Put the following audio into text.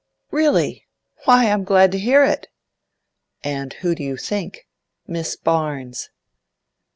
'Really? Why, I'm glad to hear it!' 'And who do you think? Miss Barnes.